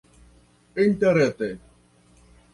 interrete